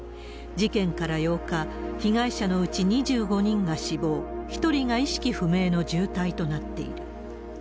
事件から８日、被害者のうち２５人が死亡、１人が意識不明の重体となっている。